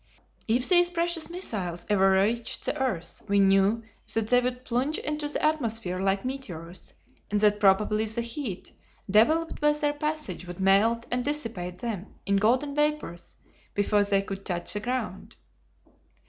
If these precious missiles ever reached the earth we knew that they would plunge into the atmosphere like meteors and that probably the heat developed by their passage would melt and dissipate them in golden vapors before they could touch the ground.